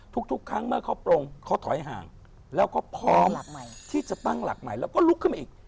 ทุกครั้งเมื่อเขาปลงเขาถอยห่างแล้วก็พร้อมที่จะตั้งหลักใหม่แล้วก็ลุกขึ้นมาอีก